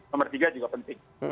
nomor tiga juga penting